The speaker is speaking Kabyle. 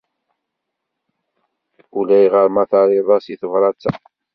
Ulayɣer ma terrid-as i tebṛat-a.